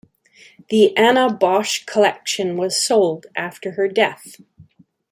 The Anna Boch collection was sold after her death.